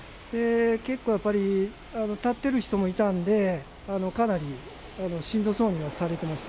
結構やっぱり、立ってる人もいたんで、かなりしんどそうにはされてました。